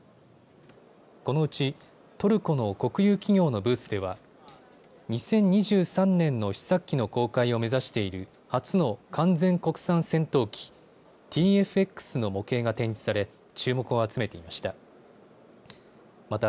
このうちトルコの国有企業のブースでは２０２３年の試作機の公開を目指している初の完全国産戦闘機、ＴＦ−Ｘの模型が展示され、注目を集めていました。